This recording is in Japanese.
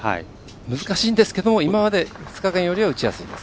難しいんですけど今まで２日間よりは打ちやすいです。